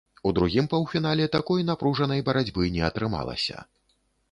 У другім паўфінале такой напружанай барацьбы не атрымалася.